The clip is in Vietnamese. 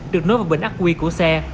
được nối vào bệnh ác quy của xe